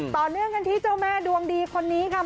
ต่อเนื่องกันที่เจ้าแม่ดวงดีคนนี้ค่ะ